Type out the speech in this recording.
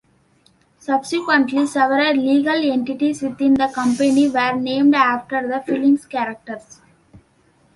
Subsequently, several legal entities within the company were named after the film's characters.